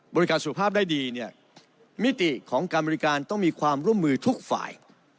บริการสุขภาพได้ดีเนี่ยมิติของการบริการต้องมีความร่วมมือทุกฝ่าย